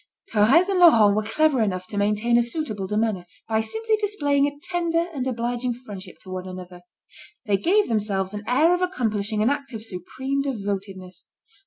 Thérèse and Laurent were clever enough to maintain a suitable demeanour, by simply displaying tender and obliging friendship to one another. They gave themselves an air of accomplishing an act of supreme devotedness.